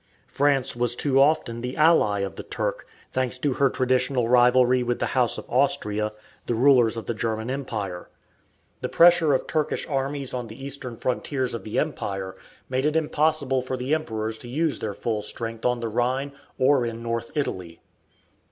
France was too often the ally of the Turk, thanks to her traditional rivalry with the House of Austria, the rulers of the German Empire. The pressure of Turkish armies on the Eastern frontiers of the Empire made it impossible for the Emperors to use their full strength on the Rhine or in North Italy.